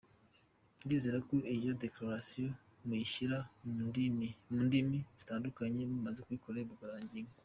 Ndizera ko iyo declaration muyishyira mundimi zitandukanye mumaze kuyikorera ubugororangingo.